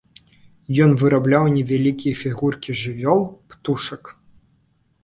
Ён вырабляў невялікія фігуркі жывёл, птушак.